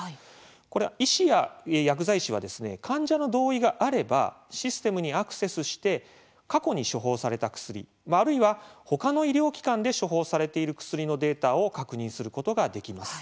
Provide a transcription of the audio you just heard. これは、医師や薬剤師は患者の同意があればシステムにアクセスして過去に処方された薬あるいは、他の医療機関で処方されている薬のデータを確認することができます。